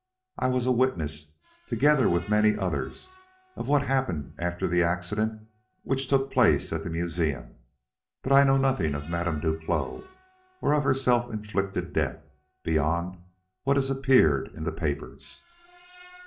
I was a witness, together with many others, of what happened after the accident which took place at the museum; but I know nothing of Madame Duclos or of her self inflicted death, beyond what has appeared in the papers."